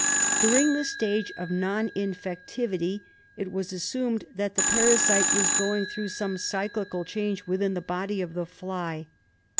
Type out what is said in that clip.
During the stage of non inf activity it was assumed that the parasite was going through some cyclical change within the body of the fly.